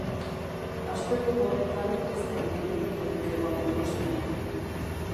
Asteburu honetan ez da igeri egiterik egon Donostian.